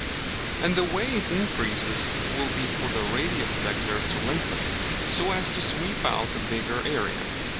And the way it increases will be for the radius vector to lengthen, so as to sweep out a bigger area.